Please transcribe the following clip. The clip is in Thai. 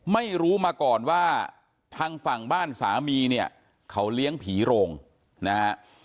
ไม่รู้มาก่อนว่าทางฝั่งบ้านสามีเนี่ยเขาเลี้ยงผีโรงนะฮะ